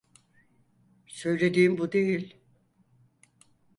Söylediğim bu değil.